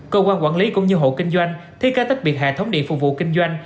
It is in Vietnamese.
cơ quan quản lý cũng như hộ kinh doanh thiết kế tách biệt hệ thống điện phục vụ kinh doanh